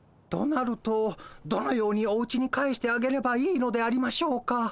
となるとどのようにおうちに帰してあげればいいのでありましょうか？